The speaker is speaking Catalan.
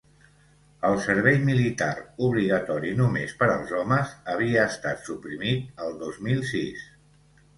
El servei militar, obligatori només per als homes, havia estat suprimit el dos mil sis.